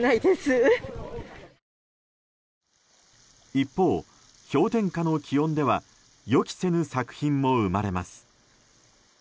一方、氷点下の気温では予期せぬ作品も生まれます。